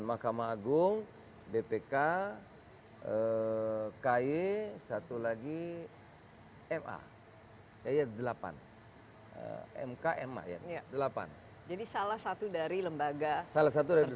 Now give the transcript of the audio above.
mahkamah agung bpk ky satu lagi ma yaya delapan mkma ya delapan jadi salah satu dari lembaga salah satu dari